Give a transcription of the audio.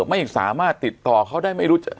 ไม่สามารถติดต่อเขาได้ไม่รู้